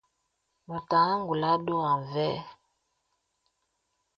Mə tàgā ngùlà ndɔ̄gà və.